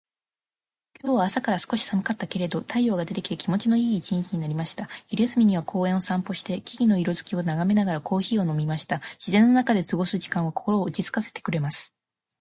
今日は朝から少し寒かったけれど、太陽が出てきて気持ちのいい一日になりました。昼休みには公園を散歩して、木々の色づきを眺めながらコーヒーを飲みました。自然の中で過ごす時間は心を落ち着かせてくれます。